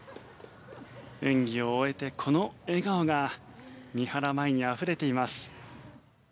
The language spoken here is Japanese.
演技を終えて、この笑顔が三原舞依にあふれています。